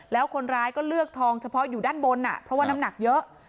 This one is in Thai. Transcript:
แล้วคนร้ายก็เลือกทองเฉพาะอยู่ด้านบนเพราะว่าน้ำหนักเยอะ